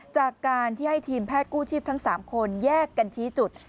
จากการที่ให้ทีมแพทย์กู้ชีพทั้ง๓คนแยกกันชี้จุด